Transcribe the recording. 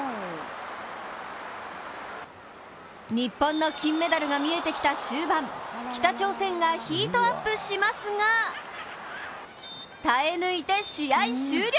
日本の金メダルが見えてきた終盤、北朝鮮がヒートアップしますが耐え抜いて試合終了！